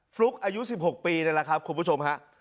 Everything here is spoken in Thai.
ฟลุ๊กอายุ๑๖ปีนี่แหละครับคุณผู้ชมฮะ